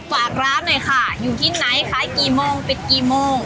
ฝากร้านหน่อยค่ะอยู่ที่ไหนขายกี่โมงปิดกี่โมง